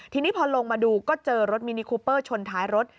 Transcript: ทีนี้พอลงมาดูก็เจอรถมินิคูเปอร์ชนท้ายรถ